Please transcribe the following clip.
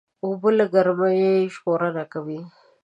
اوبه له ګرمۍ ژغورنه کوي.